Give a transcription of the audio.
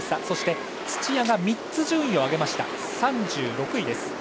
そして、土屋が３つ順位を上げまして３６位。